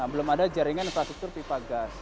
belum ada jaringan infrastruktur pipa gas